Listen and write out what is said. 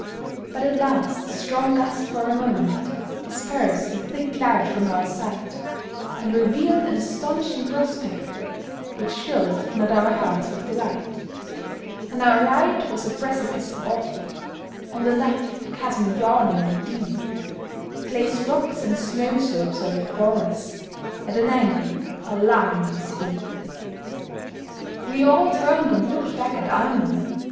But at last a strong gust for a moment Dispersed the thick cloud from our sight, And revealed an astonishing prospect, Which filled not our hearts with delight: On our right was a precipice awful; On the left chasms yawning and deep; Glazed rocks and snow slopes were before us, At an angle alarmingly steep. We all turned and looked back at Almer.